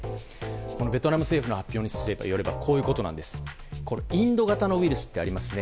ベトナム政府の発表によればインド型のウイルスってありますね。